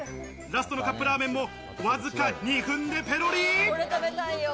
ラストのカップラーメンも、わずか２分でペロリ。